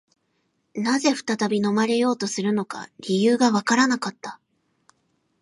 何故再び飲まれようとするのか、理由がわからなかった